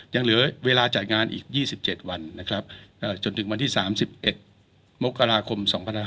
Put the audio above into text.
ยังเหลือเวลาจัดงานอีก๒๗วันนะครับจนถึงวันที่๓๑มกราคม๒๕๖๒